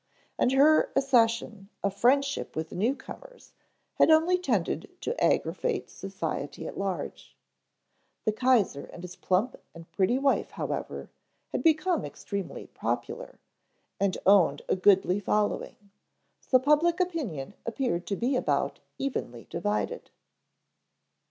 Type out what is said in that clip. And her accession of friendship with the newcomers had only tended to aggravate society at large. The Kaiser and his plump and pretty wife, however, had become extremely popular, and owned a goodly following. So public opinion appeared to be about evenly divided.